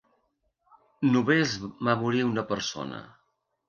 Només va morir una persona.